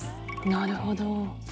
なるほど。